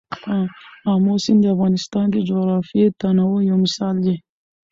آمو سیند د افغانستان د جغرافیوي تنوع یو مثال دی.